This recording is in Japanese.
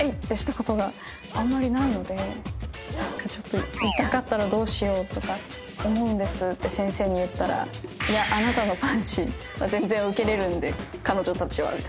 てしたことがあんまりないのでちょっと「痛かったらどうしようとか思うんです」って先生に言ったら「いやあなたのパンチは全然受けれるんで彼女たちは」